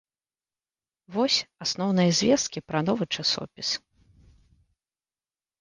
Вось асноўныя звесткі пра новы часопіс.